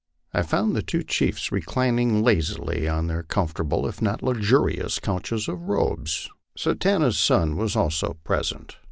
I found the two chiefs reclining lazily upon their comfortable, if not luxurious couches of robes. Satanta's son was also present.